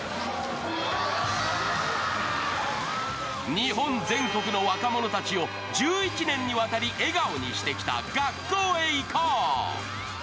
日本全国の若者たちを１１年にわたり笑顔にしてきた「学校へ行こう！」。